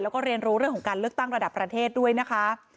แล้วก็เรียนรู้เรื่องของการเลือกตั้งระดับประเทศด้วยนะคะ